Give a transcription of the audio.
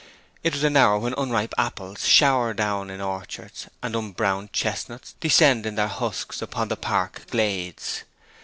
It was an hour when unripe apples shower down in orchards, and unbrowned chestnuts descend in their husks upon the park glades.